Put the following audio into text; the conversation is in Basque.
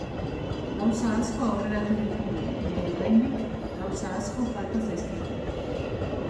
Gauza asko aurreratu ditugu baina oraindik, gauza asko falta zaizkigu.